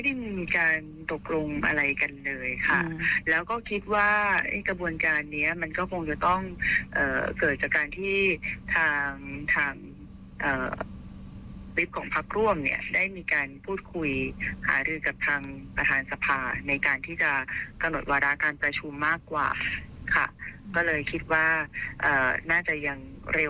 เร็วไปที่จะมีการกำหนดว่าจะต้องมีการประชุมร่วมกันอีกครั้ง